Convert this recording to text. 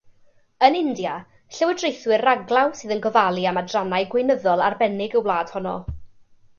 Yn India, llywodraethwyr raglaw sydd yn gofalu am adrannau gweinyddol arbennig y wlad honno.